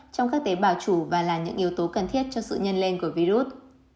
trong các tế bào chủ và là những yếu tố cần thiết cho sự nhân lên của virus